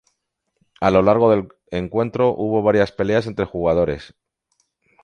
A lo largo del encuentro hubo varias peleas entre jugadores.